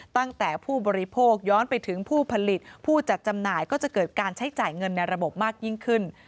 ตั้งแต่ผู้บริโภคย้อนไปถึงผู้ผลิตผู้จัดจำหน่ายก็จะเกิดการใช้จ่ายเงินในระบบมากยิ่งขึ้น